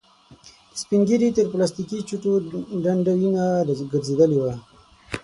د سپين ږيري تر پلاستيکې چوټو ډنډ وينه را ګرځېدلې وه.